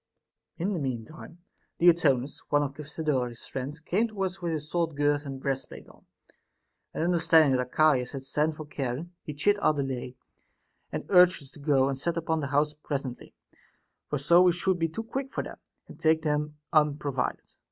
In the mean time Diotonus, one of Cephisodorus's friends, came to us with his sword girt and breastplate on ; and understanding that Archias had sent for Charon, he chid our delay, and urged us to go and set upon the house presently ; for so we should be too quick for them, and take them unprovided.